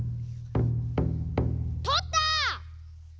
とった！